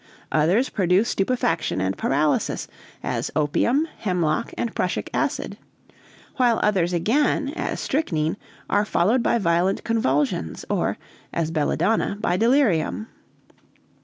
Others produce stupefaction and paralysis, as opium, hemlock, and prussic acid; while others again, as strychnine, are followed by violent convulsions, or, as belladonna, by delirium.